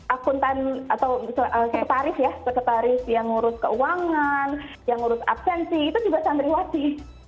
akuntan atau sekretaris ya sekretaris yang ngurus keuangan yang ngurus absensi itu juga santriwati